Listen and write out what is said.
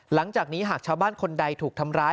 หลังจากนี้หากชาวบ้านคนใดถูกทำร้าย